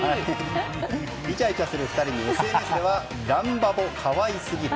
いちゃいちゃする２人にＳＮＳではらんバボ可愛すぎる。